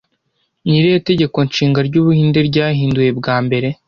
Ni irihe tegeko nshinga ry'Ubuhinde ryahinduwe bwa mbere